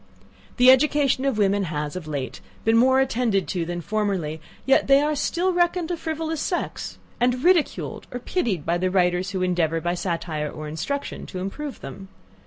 The education of women has, of late, been more attended to than formerly; yet they are still reckoned a frivolous sex, and ridiculed or pitied by the writers who endeavour by satire or instruction to improve them.